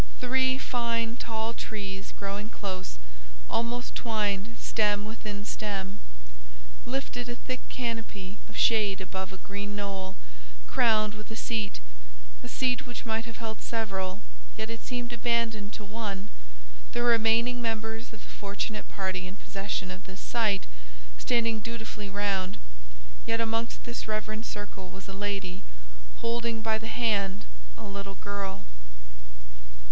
Three fine tall trees growing close, almost twined stem within stem, lifted a thick canopy of shade above a green knoll, crowned with a seat—a seat which might have held several, yet it seemed abandoned to one, the remaining members of the fortunate party in possession of this site standing dutifully round; yet, amongst this reverend circle was a lady, holding by the hand a little girl.